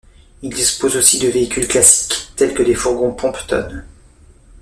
Ils disposent aussi de véhicules classiques tels que des fourgons pompe tonne.